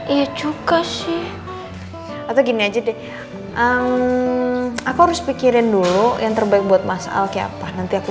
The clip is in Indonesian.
ya cukup sih atau gini aja deh aku harus pikirin dulu yang terbaik buat mas alki apa nanti aku